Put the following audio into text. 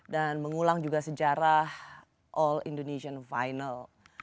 dan mengulang juga sejarah all indonesian final